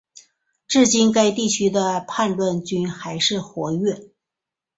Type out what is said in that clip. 至今该地区的叛乱军还是活跃。